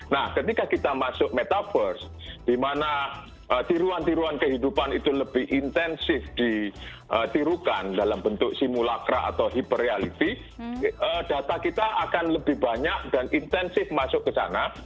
nah ketika kita masuk metaverse di mana tiruan tiruan kehidupan itu lebih intensif ditirukan dalam bentuk simulacra atau hiperreality data kita akan lebih banyak dan intensif masuk ke sana